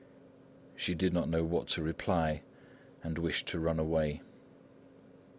She did not know what to reply and wished to run away.